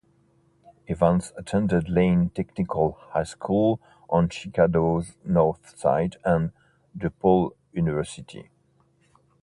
Evans attended Lane Technical High School on Chicago's North Side and DePaul University.